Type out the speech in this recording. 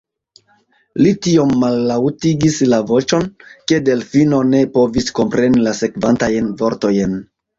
Li tiom mallaŭtigis la voĉon, ke Delfino ne povis kompreni la sekvantajn vortojn.